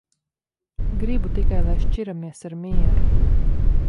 Gribu tikai, lai šķiramies ar mieru.